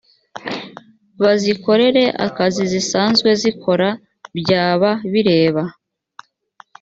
bazikorere akazi zisanzwe zikora byaba bireba